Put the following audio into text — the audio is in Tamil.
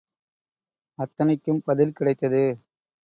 அத்தனைக்கும் பதில் கிடைத்தது.